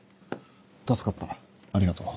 助かったありがとう。